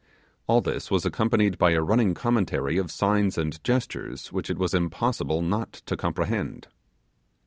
All this was accompanied by a running commentary of signs and gestures which it was impossible not to comprehend.